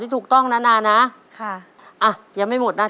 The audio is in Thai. ตัวเลือดที่๓ม้าลายกับนกแก้วมาคอ